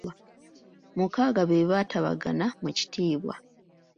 Mukaaga be baatabagana mu kitiibwa.